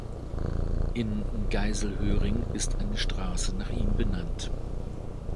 In Geiselhöring ist eine Straße nach ihm benannt.